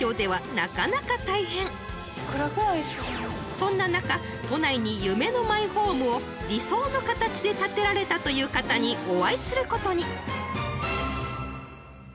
［そんな中都内に夢のマイホームを理想の形で建てられたという方にお会いすることに］